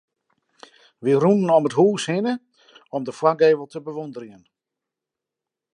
Wy rûnen om it hûs hinne om de foargevel te bewûnderjen.